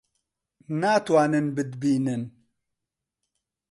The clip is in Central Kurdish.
ناتوانن بتبینن.